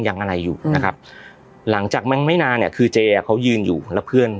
อะไรอยู่นะครับหลังจากนั้นไม่นานเนี่ยคือเจเขายืนอยู่แล้วเพื่อน